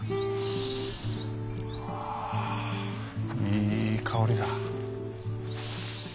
ああいい香りだ。